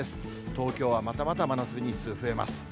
東京はまたまた真夏日日数増えます。